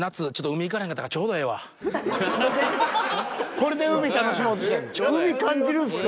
これで海楽しもうとしてるの？